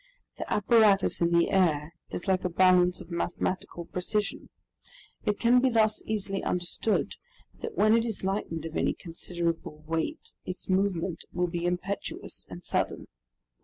The apparatus in the air is like a balance of mathematical precision. It can be thus easily understood that when it is lightened of any considerable weight its movement will be impetuous and sudden.